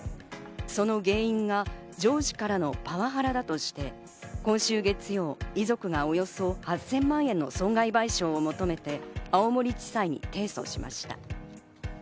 その原因が上司からのパワハラだとして、今週月曜、遺族がおよそ８０００万円の損害賠償を求めて青森地裁に提訴しました。